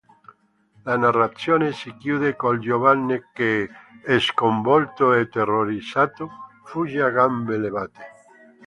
La narrazione si chiude col giovane che, sconvolto e terrorizzato, fugge a gambe levate.